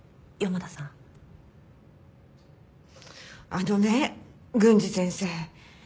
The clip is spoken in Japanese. あのね郡司先生。